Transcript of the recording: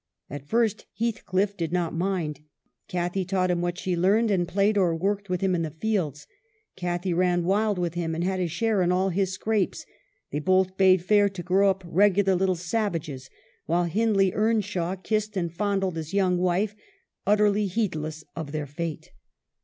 At first Heathcliff did not mind. Cathy taught him what she learned, and played or worked with him in the fields. Cathy ran wild with him, and had a share in all his scrapes ; they both bade fair to grow up regular little savages, while Hind ley Earnshaw kissed and fondled his young wife, utterly heedless of their fate.